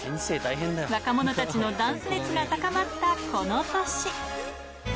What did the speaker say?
若者たちのダンス熱が高まったこの年。